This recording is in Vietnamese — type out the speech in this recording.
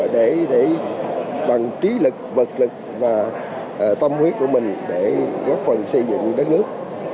để bằng trí lực vật lực và tâm huyết của mình để góp phần xây dựng đất nước